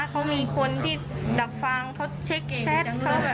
เขามีคนที่ดับฟังเขาเช็คแชท